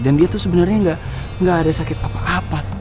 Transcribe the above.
dan dia tuh sebenernya gak ada sakit apa apa